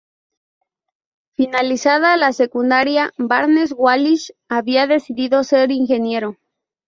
Finalizada la secundaria, Barnes Wallis había decidido ser un ingeniero.